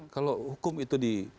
kalau hukum itu di